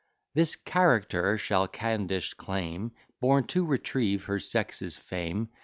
This character shall Ca'endish claim, Born to retrieve her sex's fame.